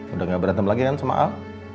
udah gak berantem lagi kan sama al